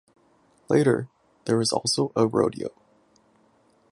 Later there is also a rodeo.